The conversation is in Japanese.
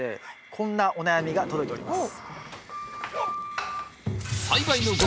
こんな写真が届いております。